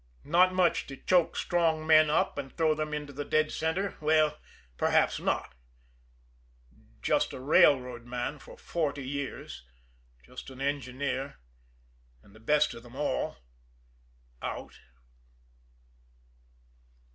Not much to choke strong men up and throw them into the "dead center"? Well, perhaps not. Just a railroad man for forty years, just an engineer, and the best of them all out!